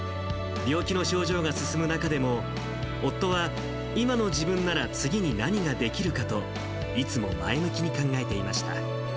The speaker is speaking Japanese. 病気の症状が進む中でも夫は今の自分なら次に何ができるかと、いつも前向きに考えていました。